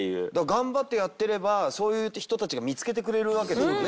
頑張ってやってればそういう人たちが見つけてくれるわけですもんね